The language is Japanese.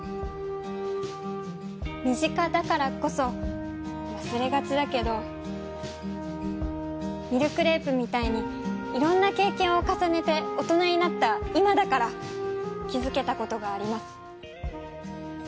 身近だからこそ忘れがちだけどミルクレープみたいにいろんな経験を重ねて大人になった今だから気付けたことがあります。